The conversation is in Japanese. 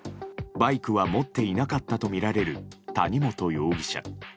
バイクは持っていなかったとみられる谷本容疑者。